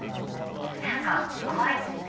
「何か怖いですね」